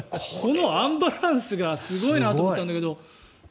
このアンバランスがすごいなと思ったんだけど。